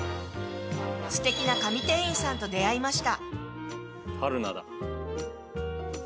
［すてきな神店員さんと出会いました］